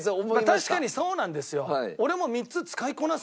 確かにそうなんですよ。